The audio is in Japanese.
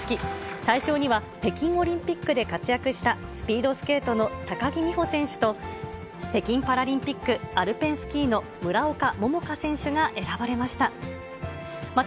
大賞には、北京オリンピックで活躍したスピードスケートの高木美帆選手と北京パラリンピックアルペンスキーの村岡桃佳選手が選ばれました。